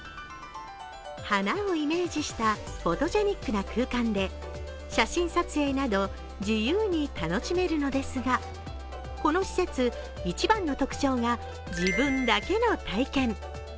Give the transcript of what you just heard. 花をイメージしたフォトジェニックな空間で写真撮影など自由に楽しめるのですがこの施設、一番の特徴が自分だけの体験。